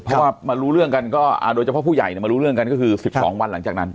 เพราะว่ามารู้เรื่องกันก็โดยเฉพาะผู้ใหญ่มารู้เรื่องกันก็คือ๑๒วันหลังจากนั้น